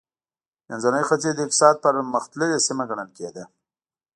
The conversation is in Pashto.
منځنی ختیځ د اقتصاد پرمختللې سیمه ګڼل کېده.